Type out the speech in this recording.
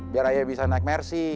biar ayah bisa naik mersi